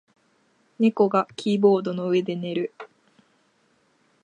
猫がキーボードの上で寝る。